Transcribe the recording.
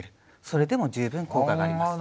それでも十分効果があります。